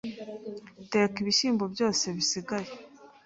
teka ibishyimbo byose bisigaye